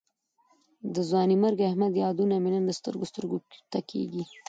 د ځوانمرګ احمد یادونه مې نن سترګو سترګو ته کېږي.